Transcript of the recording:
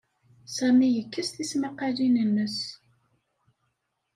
Sami yekkes tismaqalin-nnes.